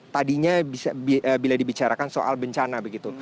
tadinya bila dibicarakan soal bencana begitu